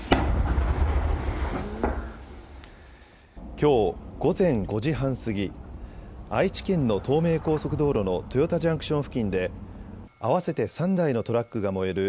きょう午前５時半過ぎ、愛知県の東名高速道路の豊田ジャンクション付近で合わせて３台のトラックが燃える